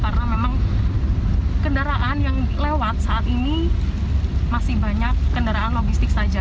karena kendaraan yang lewat saat ini masih banyak kendaraan logistik saja